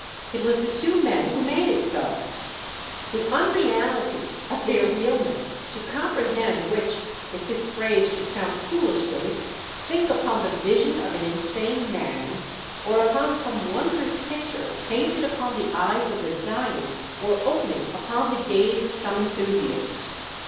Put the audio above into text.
It was the two men who made it so ; the unreality of their real ness, to comprehend which, if this phrase should sound foolishly, think upon the vision of an insane man, or upon some wondrous picture painted upon the eyes of the dying or opening upon the gaze of some enthusiast.